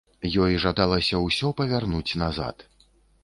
Ёй жадалася ўсё павярнуць назад.